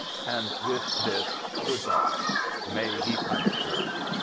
And with this gpod by. " May He punish her!